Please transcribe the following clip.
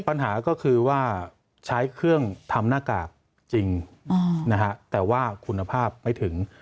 ปัญหาก็คือว่าใช้เครื่องทำหน้ากากจริงนะฮะแต่ว่าคุณภาพไม่ถึง